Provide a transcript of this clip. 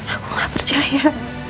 aku gak percaya